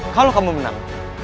kalau kamu menang